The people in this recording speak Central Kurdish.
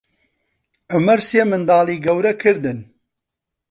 عومەر سێ منداڵی گەورە کردن.